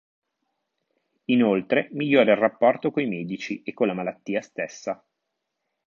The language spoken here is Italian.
Inoltre migliora il rapporto coi medici e con la malattia stessa.